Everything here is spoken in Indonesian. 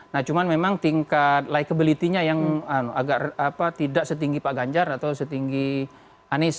nah cuman memang tingkat licability nya yang agak tidak setinggi pak ganjar atau setinggi anies